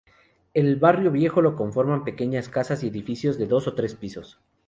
El barrio viejo lo conforman pequeñas casas y edificios de dos o tres pisos.